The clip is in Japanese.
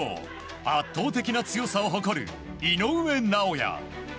圧倒的な強さを誇る井上尚弥。